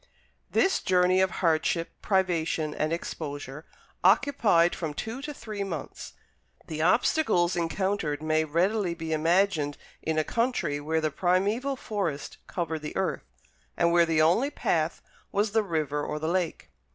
This journey of hardship, privation, and exposure occupied from two to three months. The obstacles encountered may readily be imagined in a country where the primeval forest covered the earth, and where the only path was the river or the lake.